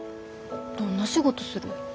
どんな仕事する？